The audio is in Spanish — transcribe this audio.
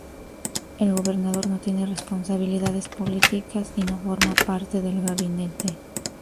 El Gobernador no tiene responsabilidades políticas y no forma parte del gabinete.